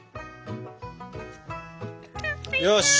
よし！